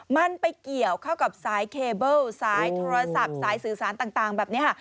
มันไปเกี่ยวเข้ากับสายเคเบิ้ลสายโทรศัพท์สายสื่อสารต่างแบบนี้ค่ะ